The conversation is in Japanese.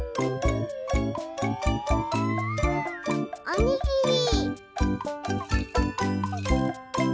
おにぎり。